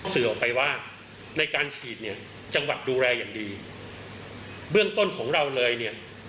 สื่อออกไปว่าในการฉีดเนี่ยจังหวัดดูแลอย่างดีเบื้องต้นของเราเลยเนี่ย